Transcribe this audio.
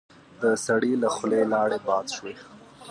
د سړي له خولې لاړې باد شوې.